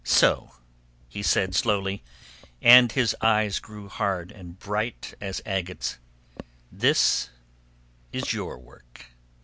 "So," he said slowly, and his eyes grew hard and bright as agates, "this is your work."